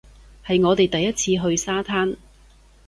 係我哋第一次去沙灘